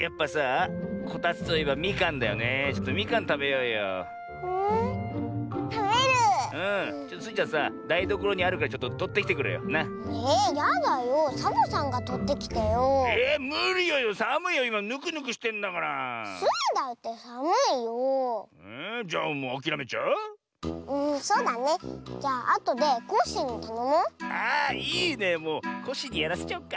あいいねもうコッシーにやらせちゃおっか。